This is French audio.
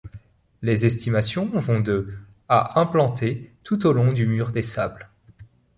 Les estimations vont de à implantées tout au long du Mur des sables.